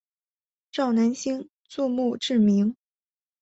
赵南星作墓志铭。